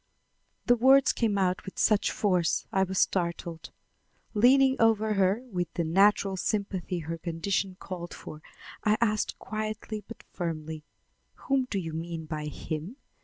The words came out with such force I was startled. Leaning over her, with the natural sympathy her condition called for, I asked quietly but firmly: "Whom do you mean by him?